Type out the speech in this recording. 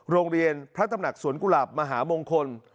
โรงเรียนพระตำหนักสวนกุหลาบมหามงคล